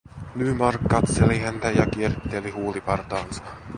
Nymark katseli häntä ja kieritteli huulipartaansa.